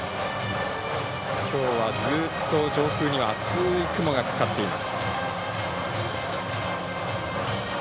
きょうはずっと上空には厚い雲がかかっています。